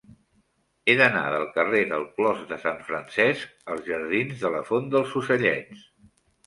He d'anar del carrer del Clos de Sant Francesc als jardins de la Font dels Ocellets.